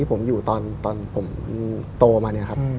ที่ผมอยู่ตอนผมโตมา